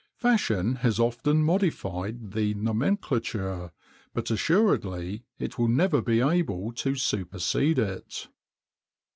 Fashion has often modified the nomenclature, but assuredly it will never be able to supersede it.